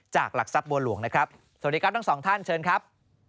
หลักทรัพย์บัวหลวงนะครับสวัสดีครับทั้งสองท่านเชิญครับ